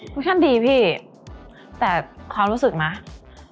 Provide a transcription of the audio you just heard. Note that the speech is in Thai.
มุชชั่นดีพี่แต่ความรู้สึกมั้ย